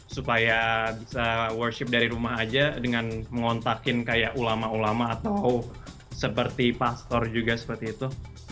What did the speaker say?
supaya bisa workship dari rumah aja dengan mengontakin kayak ulama ulama atau seperti pastor juga seperti itu